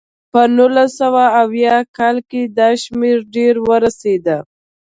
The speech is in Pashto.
په نولس سوه اویا کال کې دا شمېره ډېره ورسېده.